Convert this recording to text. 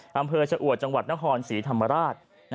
อำเภอชะอวดจังหวัดนครศรีธรรมราช